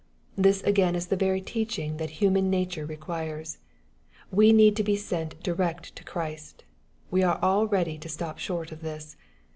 This again is the veiy teaching that human nature requires. We need to be sent direct to Christ. We are all ready to stop short of this.